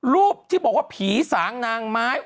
รูปที่บอกว่าผีสางนางไม้